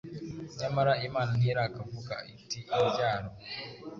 Nyamara Imana ntirakavuga iti, ‘Imbyaro’,